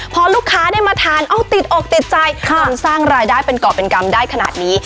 พอลูกค้าได้มาทานเอ้าติดอกติดใจจนสร้างรายได้เป็นเกาะเป็นกรรมได้ขนาดนี้